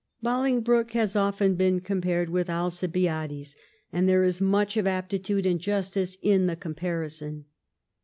Bolingbroke has often been compared with Alcibiades, and there is much of aptitude and justice in the comparison.